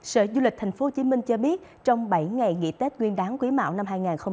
sở du lịch tp hcm cho biết trong bảy ngày nghị tết nguyên đáng quý mão năm hai nghìn hai mươi ba